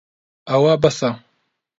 ئەوە بەسە.